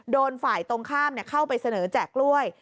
โดนฝ่ายตรงข้ามเข้าไปเสนอแจกกล้วย